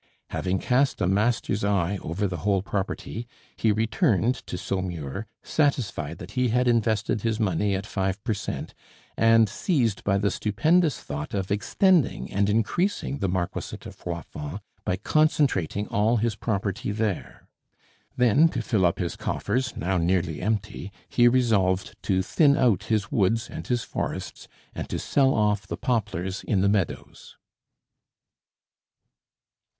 Having cast a master's eye over the whole property, he returned to Saumur, satisfied that he had invested his money at five per cent, and seized by the stupendous thought of extending and increasing the marquisate of Froidfond by concentrating all his property there. Then, to fill up his coffers, now nearly empty, he resolved to thin out his woods and his forests, and to sell off the poplars in the meadows.